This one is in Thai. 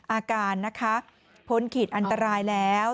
อาการนะคะพ้นขีดอันตรายแล้ว